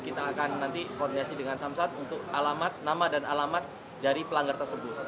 kita akan nanti koordinasi dengan samsat untuk alamat nama dan alamat dari pelanggar tersebut